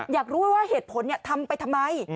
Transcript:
อยากรู้ว่าเหตุผลทำไปทำไม